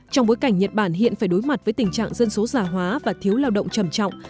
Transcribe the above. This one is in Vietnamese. trong bối cảnh nhật bản hiện phải đối mặt với tình trạng dân số già hóa và thiếu lao động trầm trọng